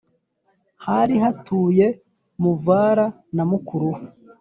hari hatuye muvara na mukuru we